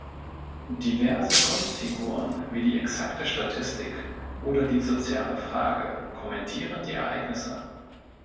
Diverse Kunstfiguren, wie die "exakte Statistik" oder die "Soziale Frage" kommentieren die Ereignisse.